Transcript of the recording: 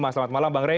selamat malam bang ray